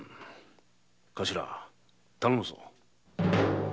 頭頼むぞ。